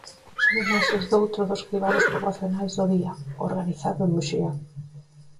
Son imaxes doutro dos cribados poboacionais do día, o organizado en Muxía.